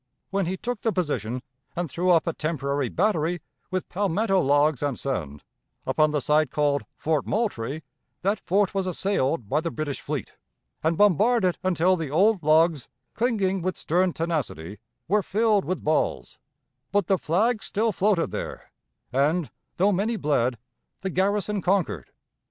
When he took the position and threw up a temporary battery with palmetto logs and sand, upon the site called Fort Moultrie, that fort was assailed by the British fleet, and bombarded until the old logs, clinging with stern tenacity, were filled with balls, but the flag still floated there, and, though many bled, the garrison conquered.